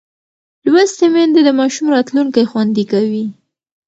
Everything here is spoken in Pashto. لوستې میندې د ماشوم راتلونکی خوندي کوي.